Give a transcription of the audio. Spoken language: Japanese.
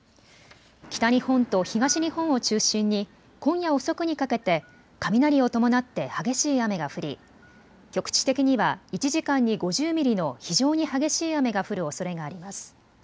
北日本と東日本を中心に今夜遅くにかけて雷を伴って激しい雨が降り局地的には１時間に５０ミリの非常に激しい雨が降るおそれがあります。